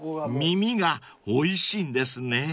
［耳がおいしいんですね］